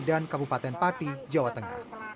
dan kebupaten pati jawa tengah